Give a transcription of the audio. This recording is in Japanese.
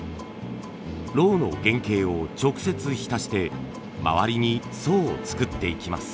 ロウの原型を直接浸して周りに層を作っていきます。